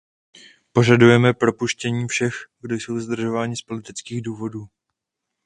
Požadujeme propuštění všech, kdo jsou zadržováni z politických důvodů.